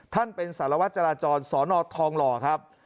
ท่านเป็นสารวัตรจราจรสนทองหล่อครับ